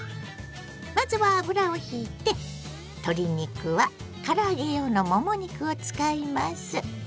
まずは油をひいて鶏肉はから揚げ用のもも肉を使います。